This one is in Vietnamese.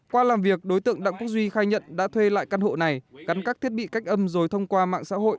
qua làm việc đối tượng đặng quốc duy khai nhận đã thuê lại căn hộ này gắn các thiết bị cách âm rồi thông qua mạng xã hội